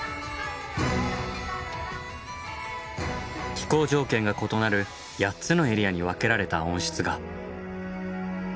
気候条件が異なる８つのエリアに分けられた温室が。